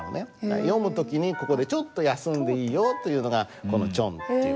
読む時にここでちょっと休んでいいよというのがこのチョンっていう。